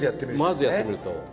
まずやってみると。